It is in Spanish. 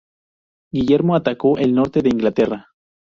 Guillermo atacó el norte de Inglaterra.